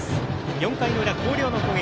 ４回の裏、広陵の攻撃。